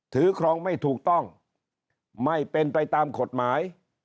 ครองไม่ถูกต้องไม่เป็นไปตามกฎหมาย